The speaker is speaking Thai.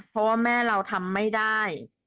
เพราะว่าแม่เราทำไม่ได้